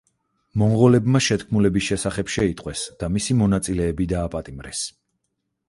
მონღოლებმა შეთქმულების შესახებ შეიტყვეს და მისი მონაწილეები დააპატიმრეს.